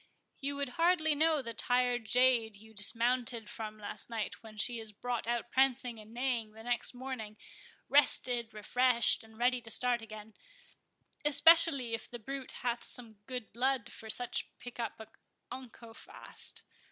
"You would hardly know the tired jade you dismounted from last night, when she is brought out prancing and neighing the next morning, rested, refreshed, and ready to start again—especially if the brute hath some good blood, for such pick up unco fast."